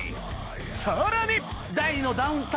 さらに！